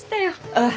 ああ。